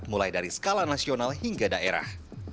mulai dari skala nasional hingga daerah